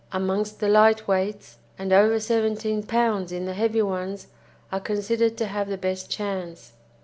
amongst the light weights, and over 17 lbs. in the heavy ones, are considered to have the best chance.